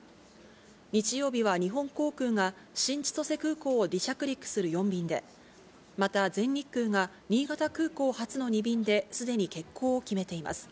日曜日は日本航空が新千歳空港を離着陸する４便で、また全日空が新潟空港発の２便ですでに欠航を決めています。